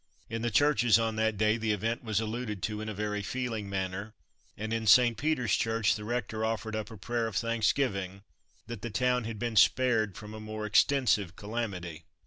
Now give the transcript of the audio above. In the churches on that day the event was alluded to in a very feeling manner, and in St. Peter's Church the rector offered up a prayer of thanksgiving that the town had been spared from a more extensive calamity.